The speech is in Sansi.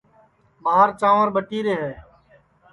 ٻار چانٚور ٻٹیرے ہے